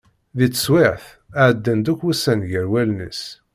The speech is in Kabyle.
Deg teswiɛt, ɛeddan-d akk wussan gar wallen-is.